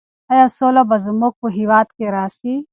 ایا سوله به زموږ په هېواد کې راسي؟